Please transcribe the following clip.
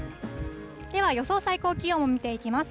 では、予想最高気温を見ていきます。